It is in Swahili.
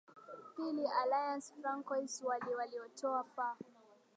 pili alliance francois wali walitoa fa